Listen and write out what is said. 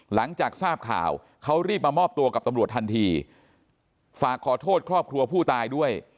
หลังจากทราบข่าวเขารีบมามอบตัวกับตำรวจทันทีฝากขอโทษครอบครัวผู้ตายด้วย